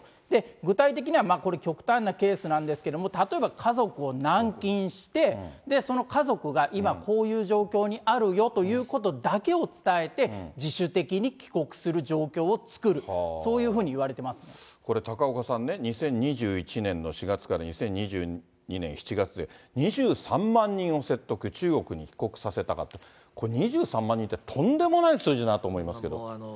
具体的には、これ、極端なケースなんですけれども、例えば家族を軟禁して、その家族が今、こういう状況にあるということだけを伝えて、自主的に帰国する状況を作る、これ、高岡さんね、２０２１年の４月から２０２２年７月で、２３万人を説得、中国に帰国させたかって、これ、２３万人ってとんでもない数字だと思いますが。